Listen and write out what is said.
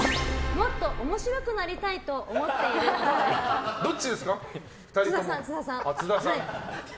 もっと面白くなりたいと思ってますか？